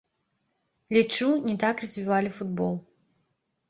Лічу, не так развівалі футбол.